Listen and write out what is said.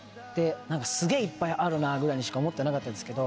何かすげぇいっぱいあるなぐらいにしか思ってなかったんですけど。